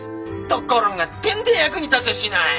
ところがてんで役に立ちゃしない！